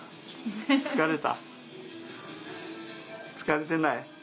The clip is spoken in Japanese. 疲れてない？